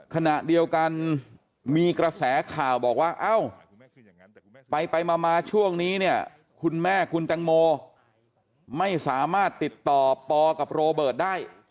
ขณะเดียวกันมีกระแสข่าวบอกว่าเอ้าไปมาช่วงนี้เนี่ยคุณแม่คุณแตงโมไม่สามารถติดต่อปอกับโรเบิร์ตได้